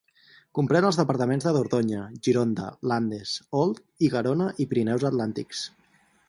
Comprèn els departaments de Dordonya, Gironda, Landes, Olt i Garona i Pirineus Atlàntics.